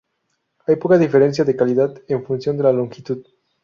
Hay poca diferencia de calidad en función de la longitud.